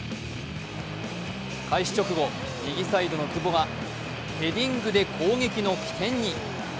開始直後、右サイドの久保がヘディングで攻撃の起点に。